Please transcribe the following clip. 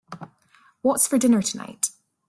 What's for dinner tonight?